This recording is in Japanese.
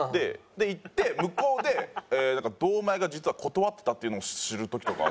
で行って向こうで堂前が実は断ってたっていうのを知る時とかあって。